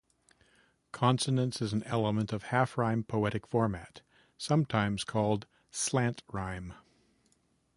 Consonance is an element of half-rhyme poetic format, sometimes called "slant rhyme".